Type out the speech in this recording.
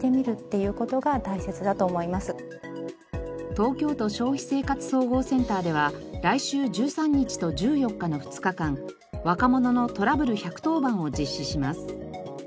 東京都消費生活総合センターでは来週１３日と１４日の２日間若者のトラブル１１０番を実施します。